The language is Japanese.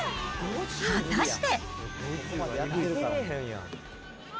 果たして。